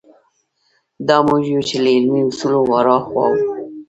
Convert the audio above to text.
دا موږ یو چې له علمي اصولو وراخوا.